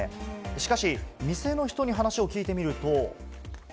しかし店の人に話を聞いてみると。